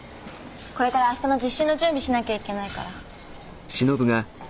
これからあしたの実習の準備しなきゃいけないから。